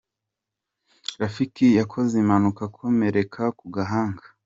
Rafiki yakoze impanuka akomereka ku gahanga.